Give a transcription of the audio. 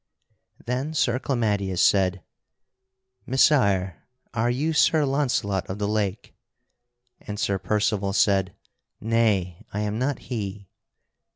Then Sir Clamadius said: "Messire, are you Sir Launcelot of the Lake?" And Sir Percival said: "Nay, I am not he."